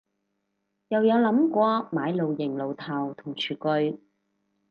又有諗過買露營爐頭同廚具